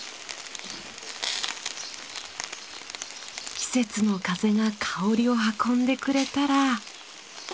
季節の風が香りを運んでくれたら。